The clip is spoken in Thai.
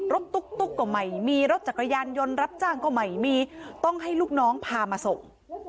ตุ๊กก็ไม่มีรถจักรยานยนต์รับจ้างก็ไม่มีต้องให้ลูกน้องพามาส่ง